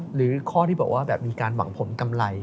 หรือข้อที่บอกว่าแบบมีการหวังผลกำไร